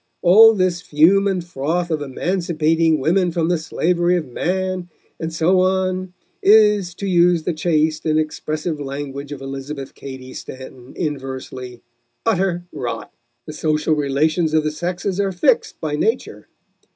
"All this fume and froth of 'emancipating woman from the slavery of man' and so on, is, to use the chaste and expressive language of Elizabeth Cady Stanton inversely, 'utter rot.' The social relations of the sexes are fixed by nature.